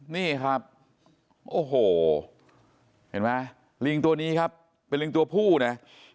นี่ครับโอ้โหเห็นไหมลิงตัวนี้ครับเป็นลิงตัวผู้นะ